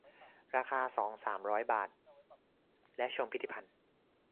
ราคา สองร้อย บาท และชมพิพิธภัณฑ์